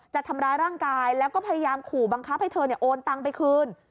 จะทำร้ายร่างกายแล้วก็พยายามขู่บังคับให้เธอโอนตังไปคืน